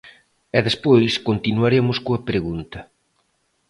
E despois continuaremos coa pregunta.